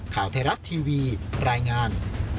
ข่าวไทยรัฐทีวีรายงาน